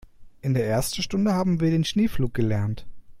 In der ersten Stunde haben wir den Schneepflug gelernt.